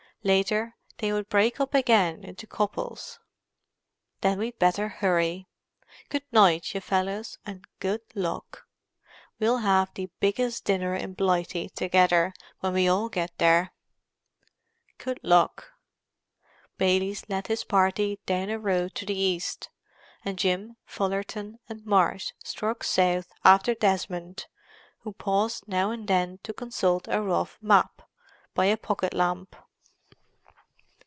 Later they would break up again into couples. "Then we'd better hurry. Good night, you fellows, and good luck. We'll have the biggest dinner in Blighty together—when we all get there!" "Good luck!" Baylis led his party down a road to the east, and Jim, Fullerton and Marsh struck south after Desmond, who paused now and then to consult a rough map, by a pocket lamp.